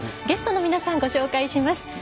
ゲストの皆さん、ご紹介します。